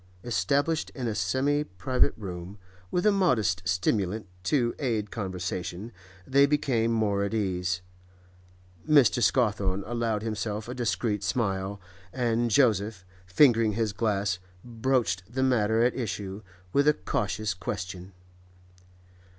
Established in a semi private room, with a modest stimulant to aid conversation, they became more at ease; Mr. Scawthorne allowed himself a discreet smile, and Joseph, fingering his glass, broached the matter at issue with a cautious question.